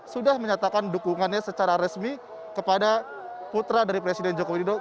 sudah menyatakan dukungannya secara resmi kepada putra dari presiden joko widodo